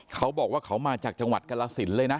เขาบอกว่าเขามาจากจังหวัดกรสินเลยนะ